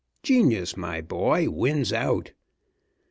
Genius, my boy, wins out.